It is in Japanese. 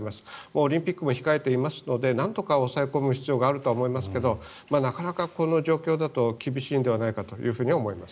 オリンピックも控えていますのでなんとか抑え込む必要があると思いますがなかなかこの状況だと厳しいのではないかと思います。